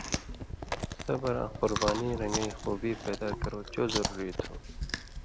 صبر آں قربانیں رن٘گَیں خُوبی پیدا کرؤں چو ضروۡری تُھو،